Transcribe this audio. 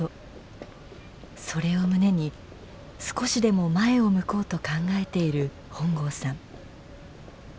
それを胸に少しでも前を向こうと考えている本郷さん。